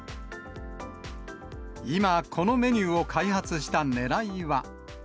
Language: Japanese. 今、このメニューを開発したねらいは。